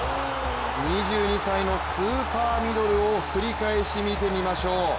２２歳のスーパーミドルを繰り返し見てみましょう。